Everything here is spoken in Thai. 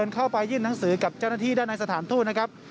เข้าไปยื่นหนังสือกับเจ้าหน้าที่ด้านในสถานทูตนะครับ